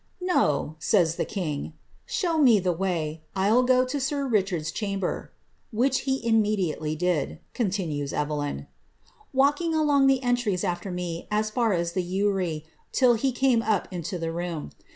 ^^^ No,' says the king, ^ show me the way ; 'U go to sir Richard's chamber;' which he immediately did," continues Ivelyn, ^^ walking along the entries after me as far as the ewry, till he ame up into the room.